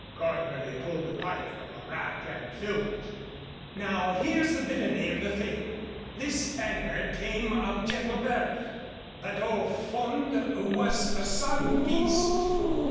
Cornbury pulled a pipe from a rack and filled it. "Now here's the villainy of the thing. This Spaniard came of gentle birth, but au fond was a sodden beast.